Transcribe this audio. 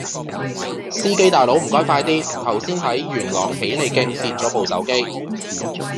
司機大佬唔該快啲，頭先喺元朗喜利徑跌左部手機